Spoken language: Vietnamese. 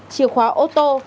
chìa khóa ô tô